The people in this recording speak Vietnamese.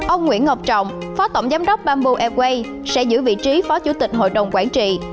ông nguyễn ngọc trọng phó tổng giám đốc bamboo airways sẽ giữ vị trí phó chủ tịch hội đồng quản trị